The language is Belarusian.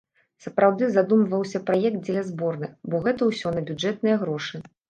Сапраўды задумваўся праект дзеля зборнай, бо гэта ўсё на бюджэтныя грошы.